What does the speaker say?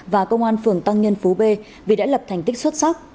và công an phường tăng nhân phú b vì đã lập thành tích xuất sắc